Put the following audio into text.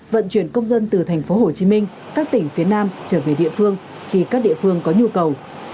vận chuyển công dân từ thành phố hồ chí minh các tỉnh phía nam trở về địa phương khi các địa phương có nhu cầu